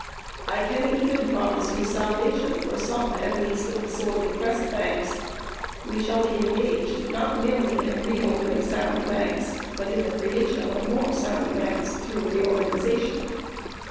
I can even promise you salvation for some at least of the sorely pressed banks. We shall be engaged not merely in reopening sound banks but in the creation of sound banks through reorganization.